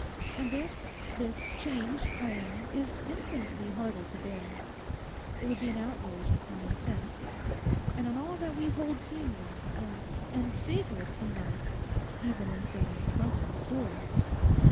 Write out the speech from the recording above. And this—this change, I own, is infinitely harder to bear. It would be an outrage on common sense and on all that we hold seemly and—and sacred in life, even in some trumpery story.